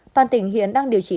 toàn tỉnh hiện đang điều trị